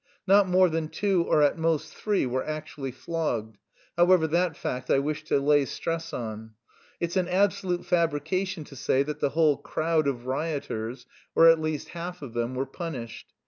Not more than two, or at most three, were actually flogged, however; that fact I wish to lay stress on. It's an absolute fabrication to say that the whole crowd of rioters, or at least half of them, were punished.